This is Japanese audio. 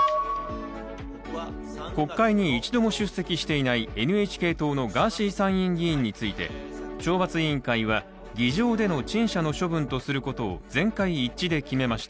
国会に一度も出席していないＮＨＫ党のガーシー参院議員について、懲罰委員会は、議場での陳謝の処分とすることを全会一致で決めました。